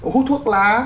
hút thuốc lá